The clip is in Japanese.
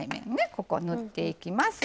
ここ塗っていきます。